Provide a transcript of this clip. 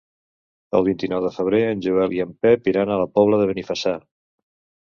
El vint-i-nou de febrer en Joel i en Pep iran a la Pobla de Benifassà.